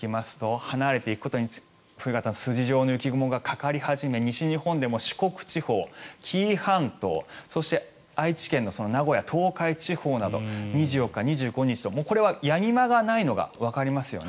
冬型の筋状の雲がかかり始め西日本でも四国地方、紀伊半島そして、愛知県の名古屋東海地方など２４日、２５日とこれはやみ間がないのがわかりますよね。